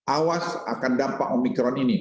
awas akan dampak omikron ini